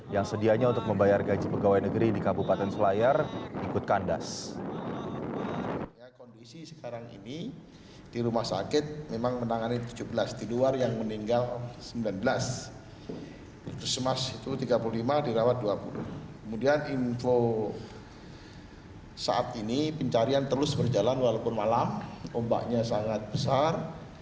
yang sedianya untuk membayar gaji pegawai negeri di kabupaten selayar